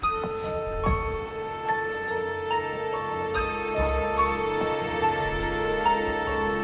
pemerintah penjarah fosil yang diilhamkan dari bidang penggunaan menggunakan metode relatif